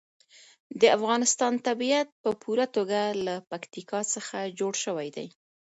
د افغانستان طبیعت په پوره توګه له پکتیکا څخه جوړ شوی دی.